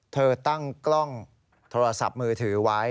เธอตั้งกล้องโทรศัพท์มือถือไว้